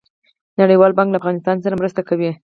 نړیوال بانک له افغانستان سره مرسته کوي